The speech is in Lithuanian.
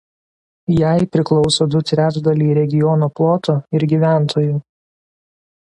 Jai priklauso du trečdaliai regiono ploto ir gyventojų.